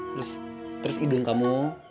terus terus hidung kamu